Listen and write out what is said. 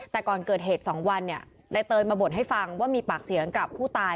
แต่ก่อนเกิดเหตุ๒วันในเตยมาบ่นให้ฟังว่ามีปากเสียงกับผู้ตาย